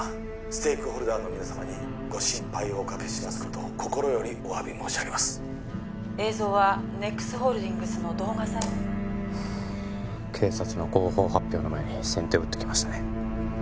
ステークホルダーの皆様にご心配をおかけしますことを心よりおわび申し上げます映像はＮＥＸホールディングスの動画サイト警察の広報発表の前に先手を打ってきましたね